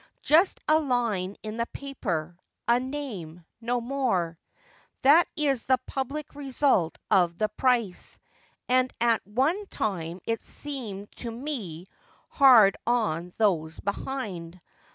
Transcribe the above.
Just a line in the paper — a name — no more. That is the public result of the THE AFTERMATH 173 price, and at one time it seemed to me hard on those behind.